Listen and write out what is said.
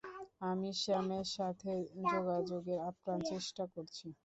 আমি স্যামের সাথে যোগাযোগের আপ্রাণ চেষ্টা করছি!